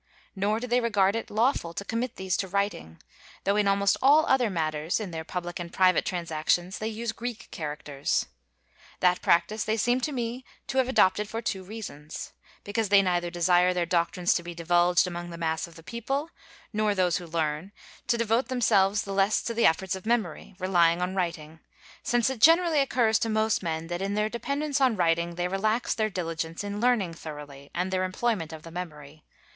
Nor do they regard it lawful to commit these to writing, though in almost all other matters, in their public and private transactions, they use Greek characters. That practice they seem to me to have adopted for two reasons: because they neither desire their doctrines to be divulged among the mass of the people, nor those who learn, to devote themselves the less to the efforts of memory, relying on writing; since it generally occurs to most men that in their dependence on writing they relax their diligence in learning thoroughly, and their employment of the memory.